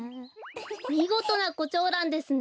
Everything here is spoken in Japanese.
みごとなコチョウランですね。